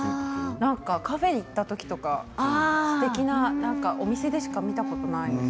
カフェに行った時とかすてきなお店でしか見たことない。